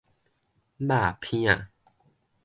肉片仔